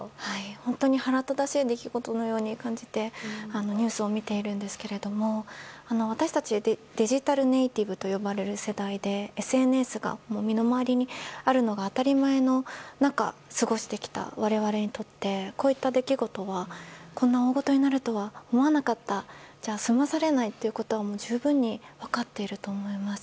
本当に腹立たしい出来事のように感じてニュースを見ているんですが私たちデジタルネイティブと呼ばれる世代でＳＮＳが身の周りにあるのが当たり前の中過ごしてきた我々にとってこういった出来事はこんな大ごとになるとは思わなかったそれでは済まされないということは分かっていると思います。